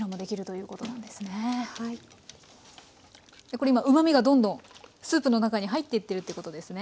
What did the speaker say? これ今うまみがどんどんスープの中に入っていってるってことですね。